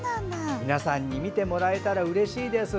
皆さんに見てもらえたらうれしいです。